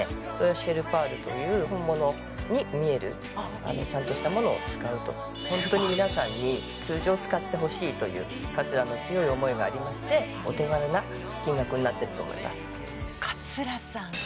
シェルパールという本物に見えるちゃんとしたものを使うとホントに皆さんに通常使ってほしいという桂の強い思いがありましてお手軽な金額になってると思います